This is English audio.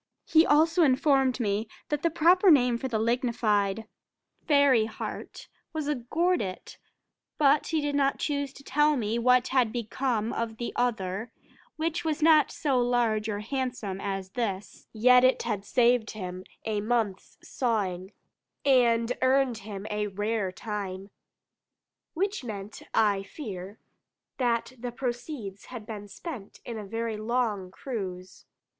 He also informed me, that the proper name for the lignified fairy heart, was a "gordit:" but he did not choose to tell me what had become of the other, which was not so large or handsome as this, yet it had saved him a month's sawing, and earned him "a rare time," which meant, I fear, that the proceeds had been spent in a very long cruise.